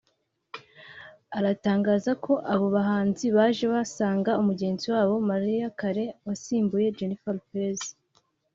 fr aratangaza ko abo bahanzi baje basanga mugenzi wabo Mariah Carey wasimbuye Jennifer Lopez